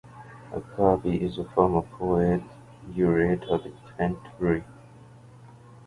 Agbabi is a former Poet Laureate of Canterbury.